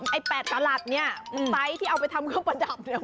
ไอ้๘กะหลัดนี่ไตรค์ที่เอาไปทำเครื่องประดับ